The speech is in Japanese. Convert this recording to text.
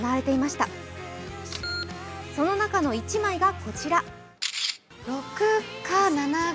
その中の１枚がこちら。